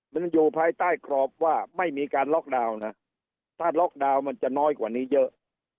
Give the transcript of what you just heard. มันอยู่ภายใต้กรอบว่าไม่มีการล็อกดาวน์นะถ้าล็อกดาวน์มันจะน้อยกว่านี้เยอะ